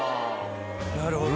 なるほど。